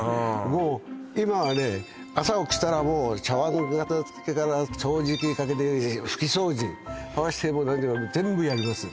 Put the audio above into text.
もう今はね朝起きたらもう茶碗の片付けから掃除機かけて拭き掃除こうしてもう何でも全部やります